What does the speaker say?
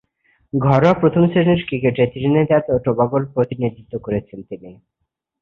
ঘরোয়া প্রথম-শ্রেণীর ক্রিকেটে ত্রিনিদাদ ও টোবাগোর প্রতিনিধিত্ব করছেন তিনি।